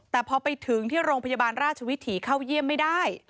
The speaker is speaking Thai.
แต่พอไปถึงที่โรงพยาบาลราชวิถีเข้าเยี่ยมไม่ได้